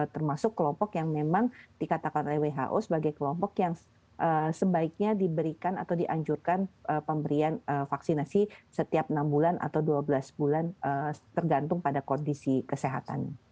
termasuk kelompok yang memang dikatakan oleh who sebagai kelompok yang sebaiknya diberikan atau dianjurkan pemberian vaksinasi setiap enam bulan atau dua belas bulan tergantung pada kondisi kesehatan